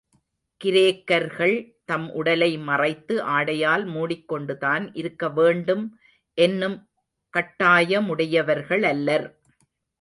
கிரேக்கர்கள் தம் உடலை மறைத்து ஆடையால் மூடிக்கொண்டுதான் இருக்க வேண்டும் என்னும் கட்டிாயமுடையவர்களல்லர்.